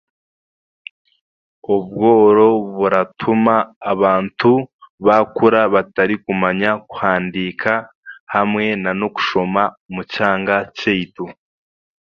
Obworo buratuma abantu bakura batarikumanya kuhandika hamwe na n'okushoma omu kyanga kyeitu.